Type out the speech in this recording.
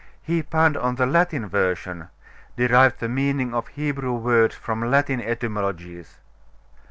He punned on the Latin version derived the meaning of Hebrew words from Latin etymologies....